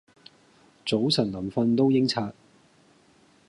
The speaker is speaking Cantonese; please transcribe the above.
早晨臨訓都應刷